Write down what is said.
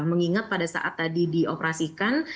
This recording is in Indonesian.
mengingat pada saat tadi dioperasikan